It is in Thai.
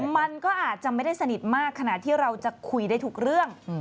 มันก็อาจจะไม่ได้สนิทมากขนาดที่เราจะคุยได้ทุกเรื่อง